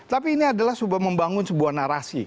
tapi ini adalah sebuah membangun sebuah narasi